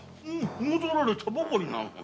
戻られたばかりなのに。